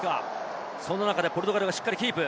その中でポルトガルがしっかりキープ。